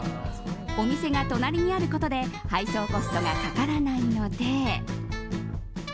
お店が隣にあることで配送コストがかからないので。